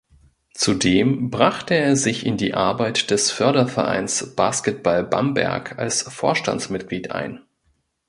Zudem brachte er sich in die Arbeit des Fördervereins Basketball Bamberg als Vorstandsmitglied ein.